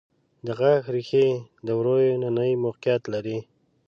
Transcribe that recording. د غاښ ریښې د وریو د ننه موقعیت لري.